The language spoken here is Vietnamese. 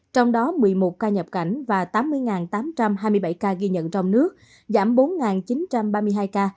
trong đó một mươi một ca nhập cảnh và tám mươi tám trăm hai mươi bảy ca ghi nhận trong nước giảm bốn chín trăm ba mươi hai ca